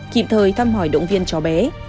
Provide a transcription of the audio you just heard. kịp thời thăm hỏi động viên chó bé